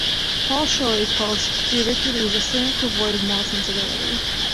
Paul Shorey calls Thucydides "a cynic devoid of moral sensibility".